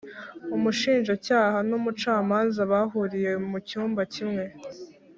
umushinjacyaha n’umucamanza bahuriye mucyumba kimwe